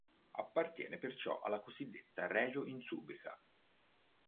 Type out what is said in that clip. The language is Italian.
Appartiene perciò alla cosiddetta "Regio Insubrica".